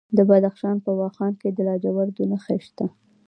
د بدخشان په واخان کې د لاجوردو نښې شته.